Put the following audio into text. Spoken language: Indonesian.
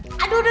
aduh aduh aduh